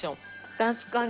確かに。